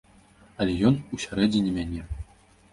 Але ён усярэдзіне мяне.